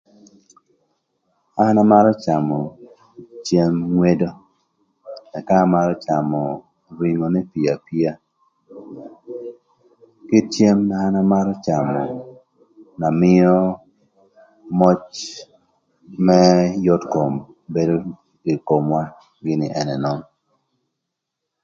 An amarö camö cem ngwedo, ëka amarö camö ringo n'epio apia, kit cem na an amarö camö na mïö möc më yot kom bedo ï komwa gïnï ën ënönön.